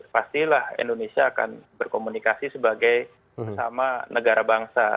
pastilah indonesia akan berkomunikasi sebagai sama negara bangsa